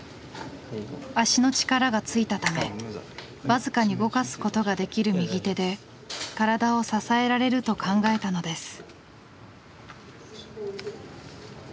足の力がついたため僅かに動かすことができる右手で体を支えられると考えたのです。